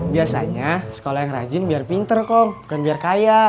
biasanya sekolah yang rajin biar pinter kok bukan biar kaya